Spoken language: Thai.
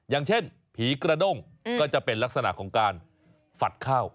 อย่างเช่นผีกระด้งก็จะเป็นลักษณะของการฝัดข้าว